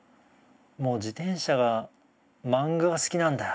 もう自転車がマンガが好きなんだ。